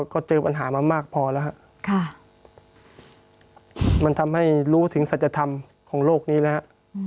ก็เจอปัญหามามากพอแล้วฮะมันทำให้รู้ถึงสัจธรรมของโลกนี้นะฮะ